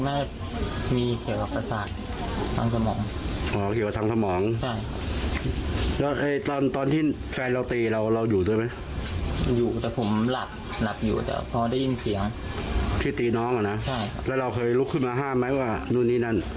ที่ตีน้องเหรอนะแล้วเราเคยลุกขึ้นมาห้ามไหมว่านู่นนี่นั่น